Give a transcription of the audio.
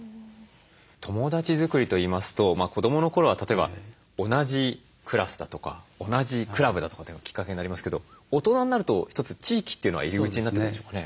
友だち作りといいますと子どもの頃は例えば同じクラスだとか同じクラブだとかいうのがきっかけになりますけど大人になると一つ地域というのが入り口になってくるんでしょうかね？